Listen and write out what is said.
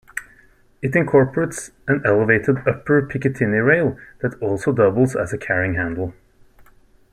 It incorporates an elevated upper Picatinny rail that also doubles as a carrying handle.